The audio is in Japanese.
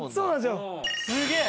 すげえ。